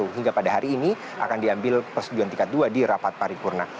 hingga pada hari ini akan diambil persetujuan tingkat dua di rapat paripurna